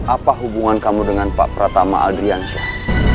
apa hubungan kamu dengan pak pratama adriansyah